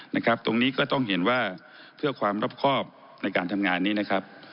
นะครับตรงนี้ก็ต้องเห็นว่าเพื่อความรอบครอบในการทำงานนี้นะครับ